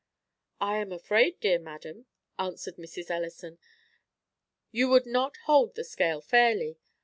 "I am afraid, dear madam," answered Mrs. Ellison, "you would not hold the scale fairly.